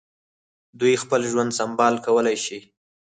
دوی خپل ژوند سمبال کولای شي.